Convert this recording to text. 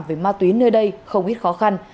về ma túy nơi đây không ít khó khăn